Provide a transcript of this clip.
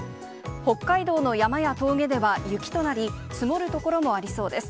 北海道の山や峠では雪となり、積もる所もありそうです。